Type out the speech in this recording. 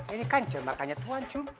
ini kan jembatannya tuhan jum